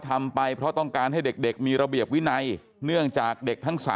ทำไปเพราะต้องการให้เด็กมีระเบียบวินัยเนื่องจากเด็กทั้ง๓